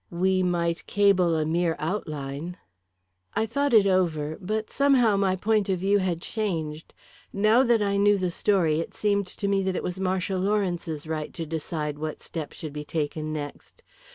"We might cable a mere outline." I thought it over; but somehow my point of view had changed. Now that I knew the story, it seemed to me that it was Marcia Lawrence's right to decide what step should be taken next.